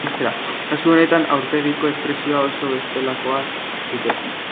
Kasu honetan, aurpegiko espresioa oso bestelakoa dute.